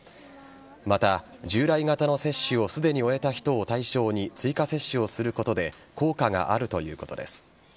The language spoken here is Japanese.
また、従来型の接種をすでに終えた人を対象に追加接種をすることで効果があるということです。